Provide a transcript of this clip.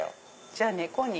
じゃあ猫に。